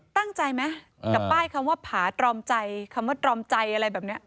ตั้งใจไหมกับป้ายคำว่าผาตรอมใจคำว่าตรอมใจอะไรแบบนี้